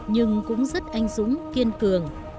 nhưng cũng rất anh dũng kiên cường